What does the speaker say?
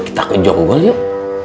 oh kita ke jonggol yuk